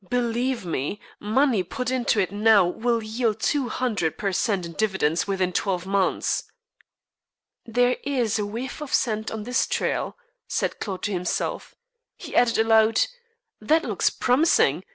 Believe me, money put into it now will yield two hundred per cent in dividends within twelve months." "There is a whiff of scent on this trail," said Claude to himself. He added aloud: "That looks promising.